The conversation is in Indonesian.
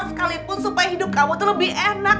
sekalipun supaya hidup kamu tuh lebih enak